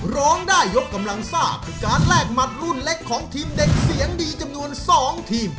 ร้องได้ยกกำลังซ่าคือการแลกหมัดรุ่นเล็กของทีมเด็กเสียงดีจำนวน๒ทีม